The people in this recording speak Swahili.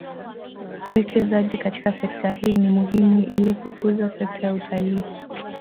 Uwekezaji katika sekta hii ni muhimu ili kukuza sekta ya utalii